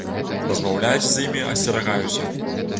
Размаўляць з імі асцерагаюся.